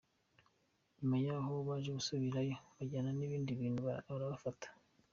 Nyuma yaho baje gusubirayo bajyanye ibindi bintu arabafata.